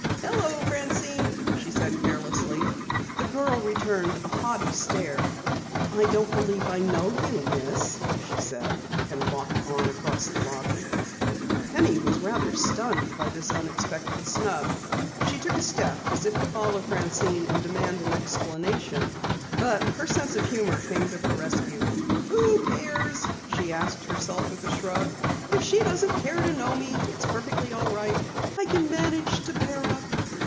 "Hello, Francine," she said carelessly. The girl returned a haughty stare. "I don't believe I know you, Miss," she said, and walked on across the lobby. Penny was rather stunned by the unexpected snub. She took a step as if to follow Francine and demand an explanation, but her sense of humor came to her rescue. "Who cares?" she asked herself with a shrug. "If she doesn't care to know me, it's perfectly all right. I can manage to bear up."